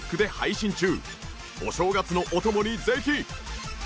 お正月のお供にぜひ！